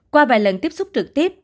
qua vài lần tiếp xúc trực tiếp